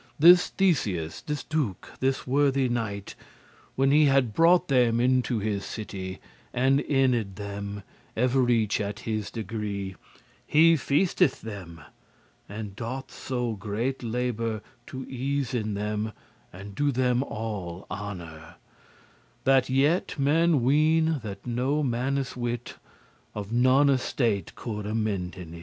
This Theseus, this Duke, this worthy knight When he had brought them into his city, And inned* them, ev'reach at his degree, *lodged He feasteth them, and doth so great labour To *easen them*, and do them all honour, *make them comfortable* That yet men weene* that no mannes wit *think Of none estate could amenden* it.